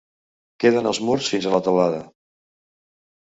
Queden els murs fins a la teulada.